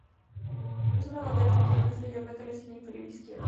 Es una bandera azul con una estrella blanca en la esquina inferior izquierda.